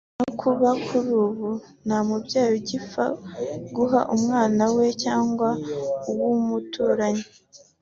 no kuba kuri ubu nta mubyeyi ugipfa guhana umwana we cyangwa uw’umuturanyi